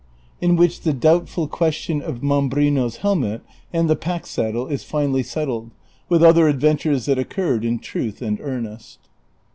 IN WHICH THE DOUBTFUL QUESTION OF MAMBRINO's HELMET AND THE PACK SADDLE IS FINALLY SETTLED, WITH OTHER ADVENTURES THAT OCCURRED IN TRUTH AND EARNEST.